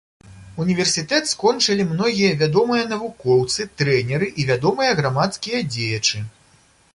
Універсітэт скончылі многія вядомыя навукоўцы, трэнеры і вядомыя грамадскія дзеячы.